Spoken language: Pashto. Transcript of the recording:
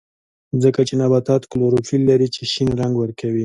ځکه چې نباتات کلوروفیل لري چې شین رنګ ورکوي